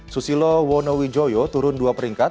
susilo wonowi joyo turun dua peringkat